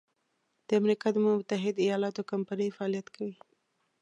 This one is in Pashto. د امریکا د متحد ایلااتو کمپنۍ فعالیت کوي.